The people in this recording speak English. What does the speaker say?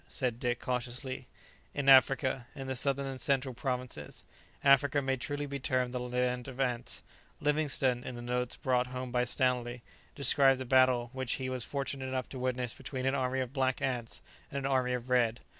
said Dick cautiously. "In Africa, in the southern and central provinces. Africa may truly be termed the land of ants. Livingstone, in the notes brought home by Stanley, describes a battle which he was fortunate enough to witness between an army of black ants and an army of red.